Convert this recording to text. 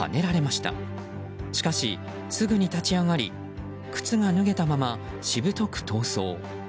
しかし、すぐに立ち上がり靴が脱げたまましぶとく逃走。